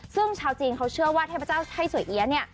ซึ่งชาวจีนเขาเชื่อว่าเทพเจ้าไทยสวยเอี๊ยะเนี่ย